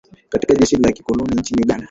katika jeshi la kikoloni nchini Uganda